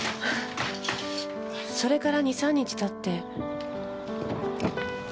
それから２３日経って。